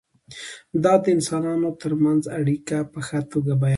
دا د انسانانو ترمنځ اړیکه په ښه توګه بیانوي.